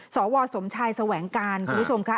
สวสมชายสวังการณ์คุณผู้ชมครับ